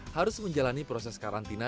harus menjalani proses karantina